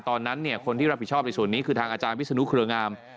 ตอนนั้นคนที่รับผิดชอบในส่วนนี้คือทางอาจารย์วิศนุเครืองาม